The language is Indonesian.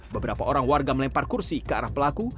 beberapa orang warga melempar kursi ke arah pelaku